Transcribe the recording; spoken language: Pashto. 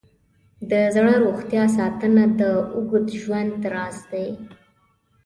د زړه روغتیا ساتنه د اوږد ژوند راز دی.